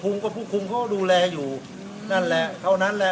ผู้คุมเขาก็ดูแลอยู่นั่นแหละเท่านั้นแหละ